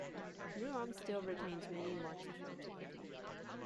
Murom still retains many marks of antiquity.